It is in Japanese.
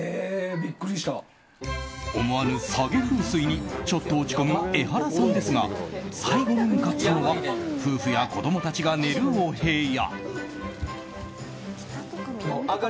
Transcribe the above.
思わぬ下げ風水にちょっと落ち込むエハラさんですが最後に向かったのは夫婦や子供たちが寝るお部屋。